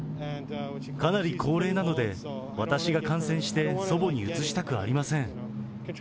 かなり高齢なので、私が感染して祖母にうつしたくありません。